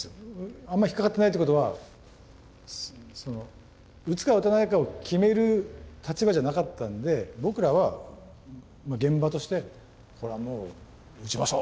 あんま引っかかってないってことは打つか打たないかを決める立場じゃなかったんで僕らは現場として「これはもう打ちましょう。